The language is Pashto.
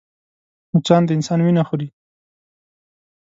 مچان د انسان وينه خوري